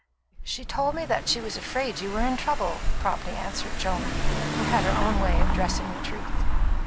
"She told me that she was afraid you were in trouble," promptly answered Joan, who had her own way of dressing the truth.